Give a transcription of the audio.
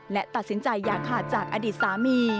และตัดสินใจอย่าขาดจากอดีตสามี